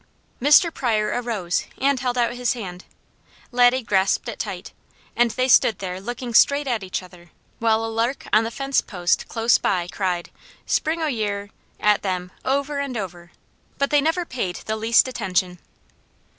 Mr. Pryor arose and held out his hand. Laddie grasped it tight, and they stood there looking straight at each other, while a lark on the fence post close by cried, "Spring o' ye ar!" at them, over and over, but they never paid the least attention.